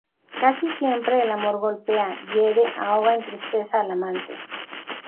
Casi siempre, el amor golpea, hiere, ahoga en tristeza al amante.